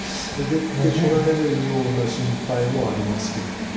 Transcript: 出てこられるような心配もありますけれども。